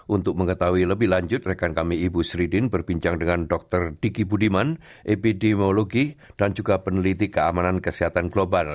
untuk mengetahui lebih lanjut rekan kami ibu sridin berbincang dengan dr diki budiman epidemiologi dan juga peneliti keamanan kesehatan global